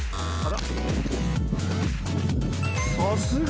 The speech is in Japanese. さすが。